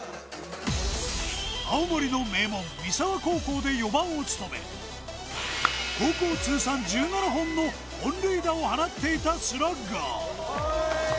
青森の名門・三沢高校で４番を務め、高校通算１７本の本塁打を放っていたスラッガー。